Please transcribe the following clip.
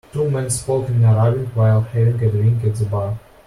Two men spoke in Arabic while having a drink at the bar.